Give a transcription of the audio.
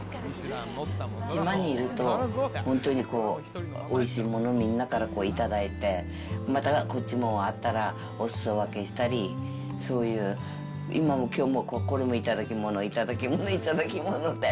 島にいると、本当にこう、おいしいものみんなからいただいて、またこっちもあったらおすそ分けしたり、そういう、今もきょうもこれも頂き物、頂き物、頂き物で。